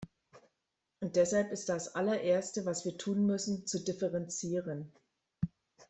Und deshalb ist das Allererste, was wir tun müssen, zu differenzieren.